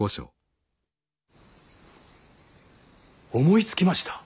思いつきました。